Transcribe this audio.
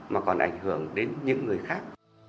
mà còn ảnh hưởng đến những người khác